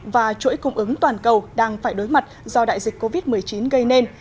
và chuỗi cung ứng toàn cầu đang phải đối mặt do đại dịch covid một mươi chín gây nên